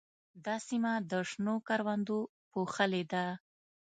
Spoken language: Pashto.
دا سیمه د شنو کروندو پوښلې ده.